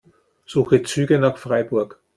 Suche Züge nach Freiburg.